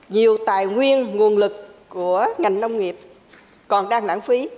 nhiều tài nguyên nguồn lực của ngành nông nghiệp còn đang lãng phí